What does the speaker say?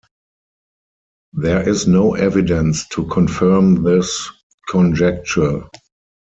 There is no evidence to confirm this conjecture.